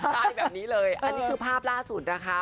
ใช่แบบนี้เลยอันนี้คือภาพล่าสุดนะคะ